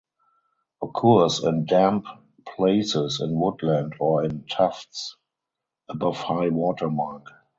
Occurs in damp places in woodland or in tufts above high water mark.